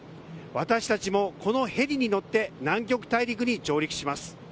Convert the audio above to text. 私たちもこのヘリに乗って南極大陸に上陸します。